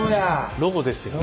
ロゴですよ。